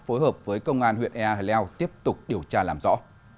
phối hợp với công an huyện ea hà leo tiếp tục điều tra làm rõ